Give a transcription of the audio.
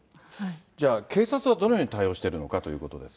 じゃあ、警察はどのように対応してるのかということですが。